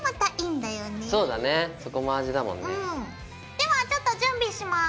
ではちょっと準備します。